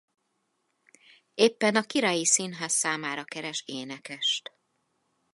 Éppen a királyi színház számára keres énekest.